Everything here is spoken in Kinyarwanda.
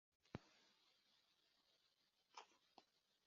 Isi iragenda iba umudugudu